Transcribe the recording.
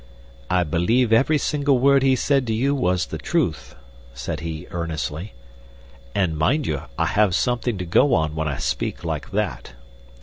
"I believe every single word he said to you was the truth," said he, earnestly, "and, mind you, I have something to go on when I speak like that.